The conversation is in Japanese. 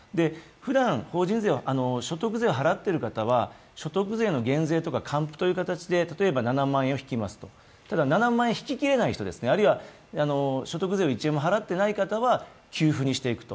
ふだん所得税を払っている方は所得税の減税、還付という形で７万円を引きますとただ、７万円を引き切れない人、所得税を１円も払っていない方は給付にしていくと。